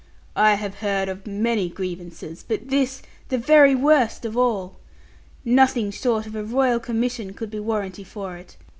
I have heard of many grievances; but this the very worst of all. Nothing short of a Royal Commission could be warranty for it.